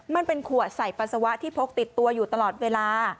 มันเป็นขวดใส่ปัสสาวะที่พกติดตัวอยู่ตลอดเวลา